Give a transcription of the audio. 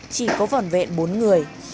chỉ có vỏn vẹn bốn người